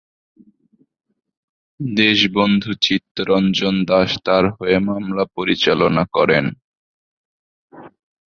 দেশবন্ধু চিত্তরঞ্জন দাশ তার হয়ে মামলা পরিচালনা করেন।